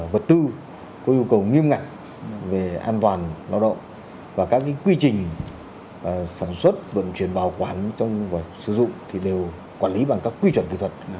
vật tư có yêu cầu nghiêm ngặt về an toàn lao động và các quy trình sản xuất vận chuyển bảo quản trong và sử dụng thì đều quản lý bằng các quy chuẩn kỹ thuật